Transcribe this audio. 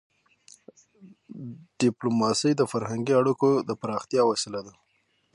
ډيپلوماسي د فرهنګي اړیکو د پراختیا وسیله ده.